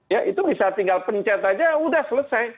ya itu bisa tinggal pencet saja sudah selesai